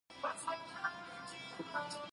سلیمان غر د صنعت لپاره مواد برابروي.